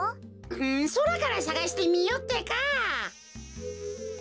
んそらからさがしてみよってか。